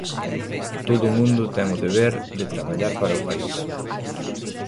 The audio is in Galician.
Todo o mundo ten o deber de traballar para o país.